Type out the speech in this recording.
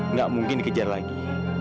nggak mungkin dikejar lagi